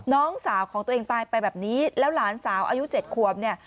น้องสาวของตัวเองตายไปแบบนี้แล้วหลานสาวอายุเจ็ดขวบเนี่ย